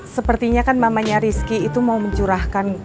sepertinya kan mamanya rizky itu mau mencurahkan gue